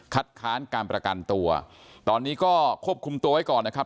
ค้านการประกันตัวตอนนี้ก็ควบคุมตัวไว้ก่อนนะครับ